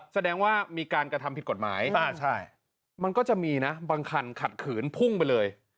แสดงว่ามีการกระทำผิดกฎหมายมันก็จะมีนะบางคันขัดขืนพุ่งไปเลย